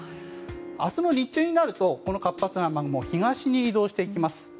明日も日中になるとこの活発な雨雲は東に移動していきます。